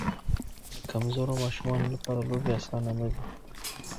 د کمزورو ماشومانو لپاره لوبې اسانه نه دي.